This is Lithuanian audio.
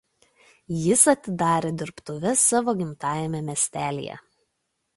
Jis atidarė dirbtuves savo gimtajame miestelyje.